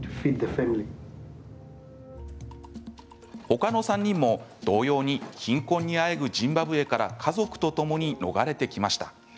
他の３人も同様に貧困にあえぐジンバブエから家族とともに逃れてきました。